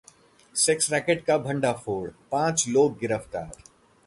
sex racket का भंडाफोड़, पांच लोग गिरफ्तार